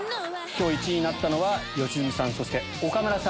今日１位になったのは良純さんそして岡村さん。